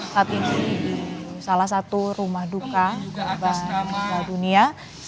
satu satu rumah duka rumah dunia